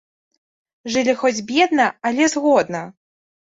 Жылі хоць бедна, але згодна.